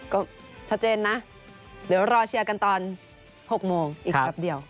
ก็ชัดเจนนะเดี๋ยวรอเชียร์กันตอน๖โมงอีกแป๊บเดียว